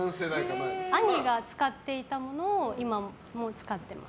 兄が使っていたものを今も使ってます。